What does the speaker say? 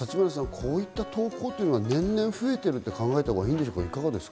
こういった投稿は年々増えていると考えたほうがいいんでしょうか？